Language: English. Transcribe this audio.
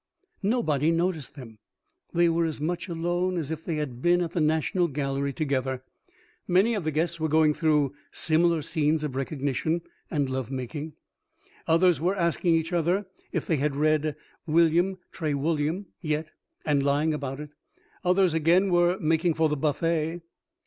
Nobody noticed them. They were as much alone as if they had been at the National Gallery together. Many of the guests were going through similar scenes of recognition and love making; others were asking each other if they had read "William Trewulliam" yet, and lying about it others again were making for the buffet.